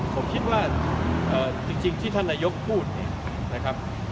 ผมคิดว่าเอ่อจริงที่ท่านยกพูดเองนะครับ